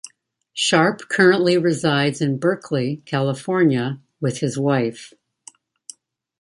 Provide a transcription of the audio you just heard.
Sharpe currently resides in Berkeley, California with his wife.